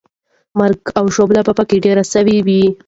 مرګ او ژوبله به پکې ډېره سوې وه.